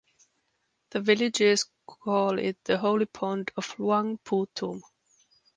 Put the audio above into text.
The villagers call it the Holy Pond of Luang Pu Tum.